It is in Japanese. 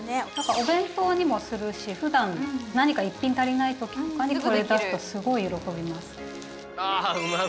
お弁当にもするしふだん何か一品足りない時とかにこれ出すとすごい喜びます。